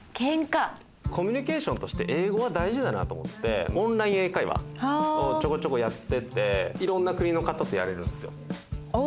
コミュニケーションとして英語は大事だなと思って、オンライン英会話をちょこちょこやっていて、いろんな国の方とやれるんですよ。